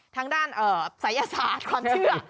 ทางด้านศัยศาสตร์ความเชื่อ